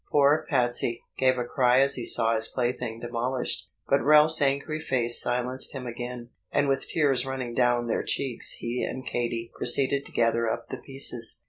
Poor Patsey gave a cry as he saw his plaything demolished, but Ralph's angry face silenced him again, and with tears running down their cheeks he and Katey proceeded to gather up the pieces.